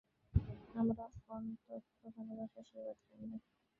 আমার অনন্ত ভালবাসা ও আশীর্বাদ জানবে।